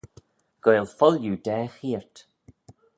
Goaill foilliu daa cheayrt!